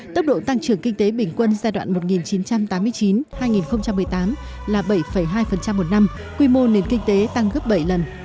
tốc độ tăng trưởng kinh tế bình quân giai đoạn một nghìn chín trăm tám mươi chín hai nghìn một mươi tám là bảy hai một năm quy mô nền kinh tế tăng gấp bảy lần